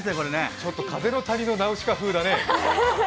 ちょっと「風の谷のナウシカ」風だね。